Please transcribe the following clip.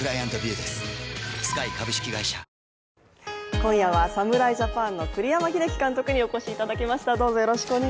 今夜は侍ジャパンの栗山英樹監督にお越しいただきました。